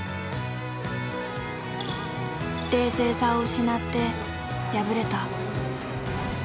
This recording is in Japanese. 冷静さを失って敗れた。